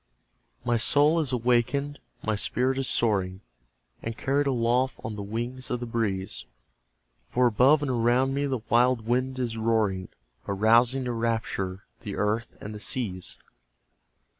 My soul is awakened, my spirit is soaring And carried aloft on the wings of the breeze; For above and around me the wild wind is roaring, Arousing to rapture the earth and the seas.